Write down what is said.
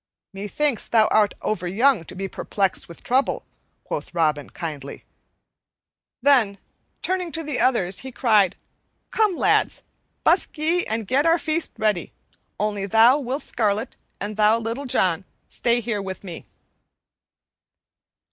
"Methinks thou art overyoung to be perplexed with trouble," quoth Robin kindly; then, turning to the others, he cried, "Come, lads, busk ye and get our feast ready; only thou, Will Scarlet, and thou, Little John, stay here with me."